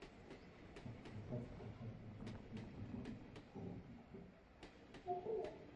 Бадарч Долгор хоёр наадмаар танилцсанаас хойш уулзаагүй.